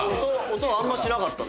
音あんましなかったな。